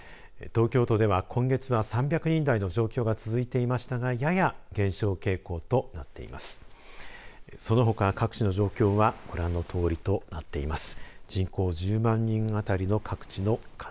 東京都では今月は３００人台の状況が続いていましたがやや減少傾向となっています。